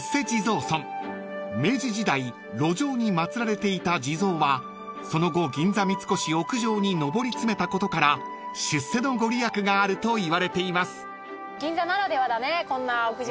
［明治時代路上に祭られていた地蔵はその後銀座三越屋上に上り詰めたことから出世の御利益があるといわれています］